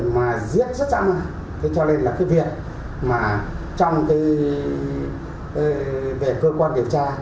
mà giết rất rãm cho nên là cái việc mà trong cơ quan điều tra